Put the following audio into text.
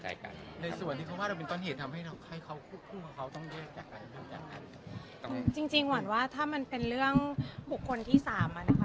จริงหวันว่าถ้ามันเป็นเรื่องบุคคลที่สามอะนะคะ